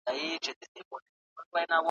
د دوکتورا برنامه سمدلاسه نه تطبیقیږي.